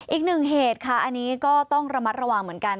อีกหนึ่งเหตุค่ะอันนี้ก็ต้องระมัดระวังเหมือนกัน